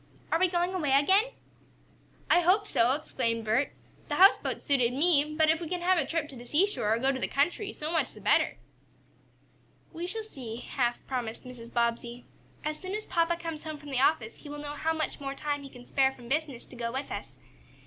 "Are we going away again?" "I hope so!" exclaimed Bert. "The houseboat suited me, but if we can have a trip to the seashore, or go to the country, so much the better." "We shall see," half promised Mrs. Bobbsey. "As soon as papa comes home from the office, he will know how much more time he can spare from business to go with us.